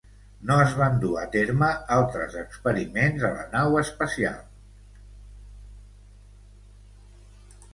No es van dur a terme altres experiments a la nau espacial.